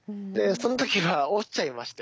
その時は落ちちゃいまして。